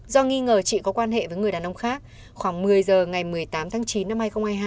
do nghi ngờ chị có quan hệ với người đàn ông khác khoảng một mươi giờ ngày một mươi tám tháng chín năm hai nghìn hai mươi hai